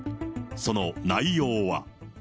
その内容は。